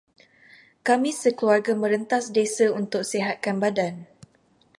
Kami sekeluarga merentas desa untuk sihatkan badan.